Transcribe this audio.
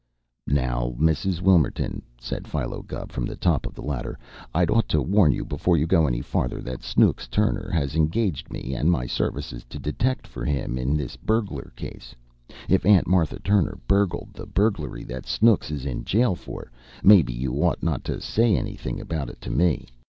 "Now, Miss Wilmerton," said Philo Gubb, from the top of the ladder, "I'd ought to warn you, before you go any farther, that Snooks Turner has engaged me and my services to detect for him in this burglar case. If Aunt Martha Turner burgled the burglary that Snooks is in jail for, maybe you ought not say anything about it to me.